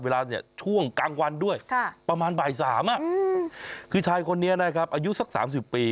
ช่วงกลางวันด้วยประมาณบ่าย๓คือชายคนนี้นะครับอายุสัก๓๐ปี